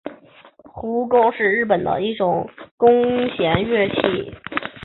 胡弓是日本的一种弓弦乐器。